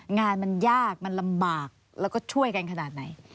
งานมันยากมันลำบากแล้วก็ช่วยกันขนาดไหน